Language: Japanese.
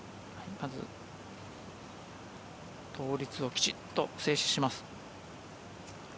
まず、倒立をきちっと静止します。